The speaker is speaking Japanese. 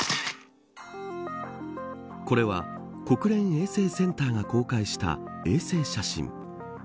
これは、国連衛星センターが公開した衛星写真。